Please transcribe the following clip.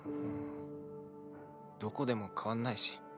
どこでも変わんないし。